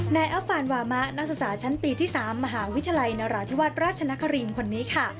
อัฟฟานวามะนักศึกษาชั้นปีที่๓มหาวิทยาลัยนราธิวาสราชนครินคนนี้ค่ะ